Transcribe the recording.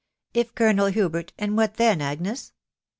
" If Colonel Hubert „... and what then, Agnes?"